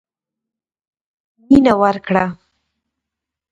مينه ورکړه.